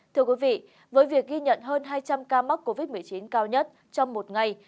thưa quý vị với việc ghi nhận hơn hai trăm linh ca mắc covid một mươi chín cao nhất trong một ngày